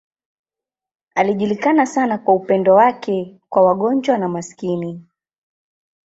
Alijulikana sana kwa upendo wake kwa wagonjwa na maskini.